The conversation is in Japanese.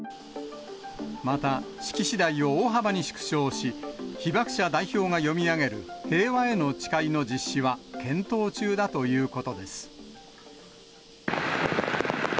また、式次第を大幅に縮小し、被爆者代表が読み上げる平和への誓いの実施は検討中だということです。